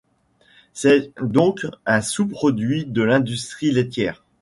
C'est donc un sous-produit de l'industrie laitière.